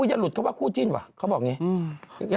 อย่าหลุดคำว่าคู่จิ้นว่ะเขาบอกอย่างนี้